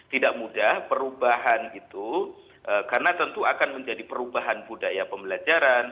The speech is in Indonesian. tidak mudah perubahan itu karena tentu akan menjadi perubahan budaya pembelajaran